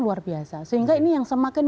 luar biasa sehingga ini yang semakin